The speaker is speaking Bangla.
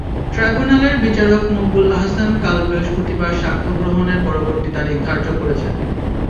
ট্রাইব্যুনালের বিচারক মকবুল আহসান কাল বৃহস্পতিবার সাক্ষ্য গ্রহণের পরবর্তী তারিখ ধার্য করেছেন।